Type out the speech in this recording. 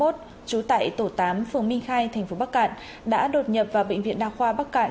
trú tại tổ tám phường minh khai thành phố bắc cạn đã đột nhập vào bệnh viện đa khoa bắc cạn